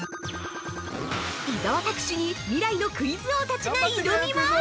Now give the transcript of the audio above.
伊沢拓司に未来のクイズ王たちが挑みます！